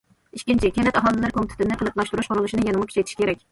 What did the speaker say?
ئىككىنچى، كەنت ئاھالىلەر كومىتېتىنى قېلىپلاشتۇرۇش قۇرۇلۇشىنى يەنىمۇ كۈچەيتىش كېرەك.